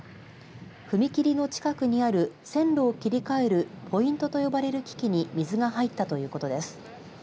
踏切の近くにある線路を切り替えるポイントと呼ばれる器機に水が入ったということです。